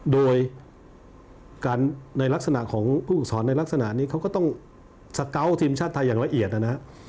โดยในลักษณะของผู้ฝึกสอนในลักษณะนี้เขาก็ต้องสเกาะทีมชาติไทยอย่างละเอียดนะครับ